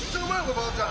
ばあちゃん。